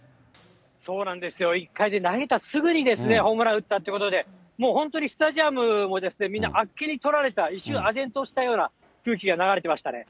そうなんですよ、１回で投げたすぐにホームラン打ったということで、もう本当に、スタジアムもみんなあっけにとられた、一瞬あぜんとしたような空気が流れてましたね。